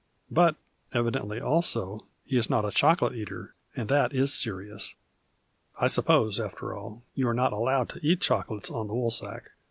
But, evidently also, he is not a chocolate eater, and that is serious. I suppose, after all, you are not allowed to eat chocolates on the Woolsack.